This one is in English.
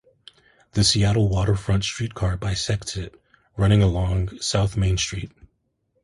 The Seattle Waterfront Streetcar bisects it, running along S. Main Street.